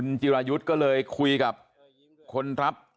แล้วเราได้ไปแจ้งความกับสำรวจ